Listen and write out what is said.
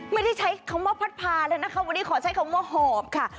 ไม่ได้ใช้คำว่าพัดพาเลยนะคะวันนี้ขอใช้คำว่าหอบค่ะ